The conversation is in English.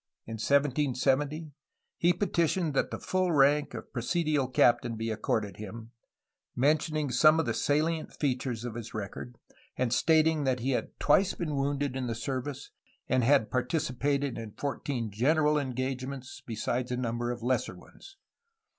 In 1770 he petitioned that the full rank of presidial captain be accorded him, mentioning some of the sahent features of his record and stating that he had twice been wounded in the service and had participated in fourteen general engage ments, besides a'number of lesser ones.